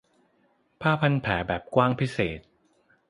ผ้าพันแผลแบบกว้างพิเศษ